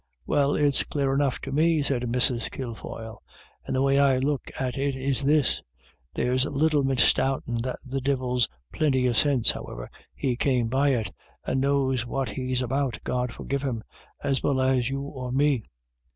" Well, it's clare enough to me," said Mrs. Kilfoyle, " and the way I look at it is this. There's little misdoubtin' that the Divil's plinty of sinse, howiver he come by it, and knows what he's about, God forgive him, as well as you or me.